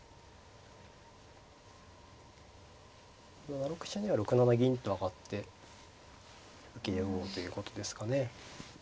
７六飛車には６七銀と上がって受けようということですかね。